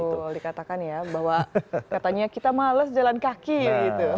betul dikatakan ya bahwa katanya kita males jalan kaki gitu